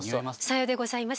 さようでございます。